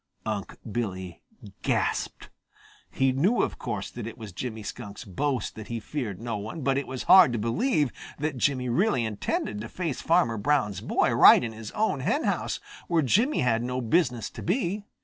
Unc' Billy gasped. He knew, of course, that it was Jimmy Skunk's boast that he feared no one, but it was hard to believe that Jimmy really intended to face Farmer Brown's boy right in his own henhouse where Jimmy had no business to be.